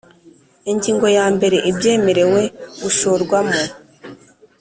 Ingingo ya mbere Ibyemerewe gushorwamo